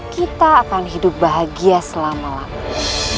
kita akan hidup bahagia selama lama